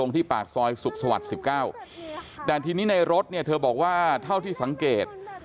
ที่ปากซอยสุขสวรรค์๑๙แต่ทีนี้ในรถเนี่ยเธอบอกว่าเท่าที่สังเกต